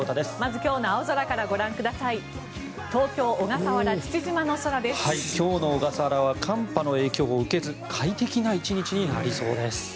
今日の小笠原は寒波の影響を受けず快適な１日になりそうです。